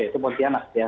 yaitu pontianak ya